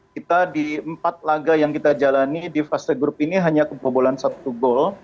kita di empat laga yang kita jalani di fase grup ini hanya kebobolan satu gol